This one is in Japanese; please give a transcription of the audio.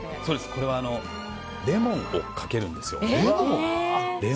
これはレモンをかけるんです。